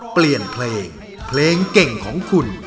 เปลี่ยนเพลงเพลงเก่งของคุณ